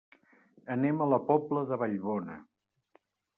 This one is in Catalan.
Anem a la Pobla de Vallbona.